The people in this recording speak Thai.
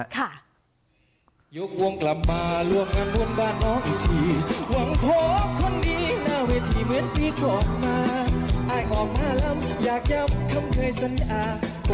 คุณส่งมองหาดูว่าเจ้าของคุณออกมา